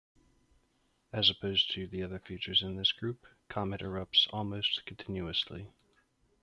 As opposed to the other features in this group, Comet erupts almost continuously.